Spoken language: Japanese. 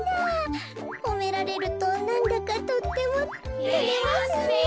ほめられるとなんだかとってもてれますねえ。